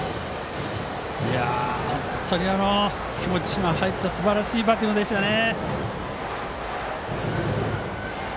気持ちの入ったすばらしいバッティングでしたね。